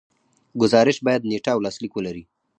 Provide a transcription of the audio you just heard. ګزارش باید نیټه او لاسلیک ولري.